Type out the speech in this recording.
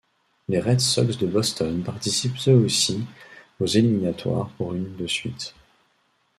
Les Red Sox de Boston participent eux aussi aux éliminatoires pour une de suite.